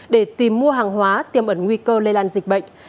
để tìm mua hàng hóa tiêm ẩn nguy cơ lây lan dịch bệnh